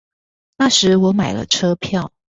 那時我買了車票